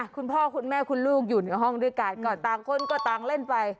คุณพ่อคุณแม่คุณลูกอยู่ในห้องด้วยกันก็ต่างคนก็ต่างเล่นไป